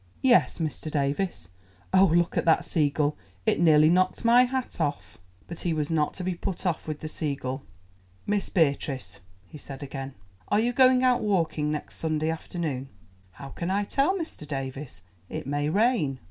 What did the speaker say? "Yes, Mr. Davies—oh, look at that seagull; it nearly knocked my hat off." But he was not to be put off with the seagull. "Miss Beatrice," he said again, "are you going out walking next Sunday afternoon?" "How can I tell, Mr. Davies? It may rain."